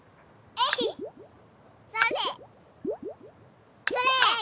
えい！